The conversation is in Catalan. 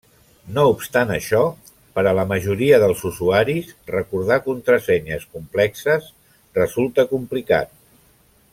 No obstant això, per a la majoria dels usuaris recordar contrasenyes complexes resulta complicat.